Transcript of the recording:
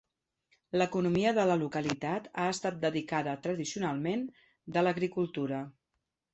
L'economia de la localitat ha estat dedicada tradicionalment de l'agricultura.